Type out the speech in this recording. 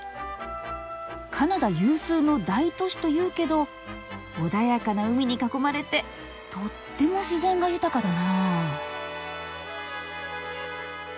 カナダ有数の大都市というけど穏やかな海に囲まれてとっても自然が豊かだな。